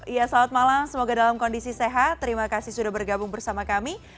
iya selamat malam semoga dalam kondisi sehat terima kasih sudah bergabung bersama kami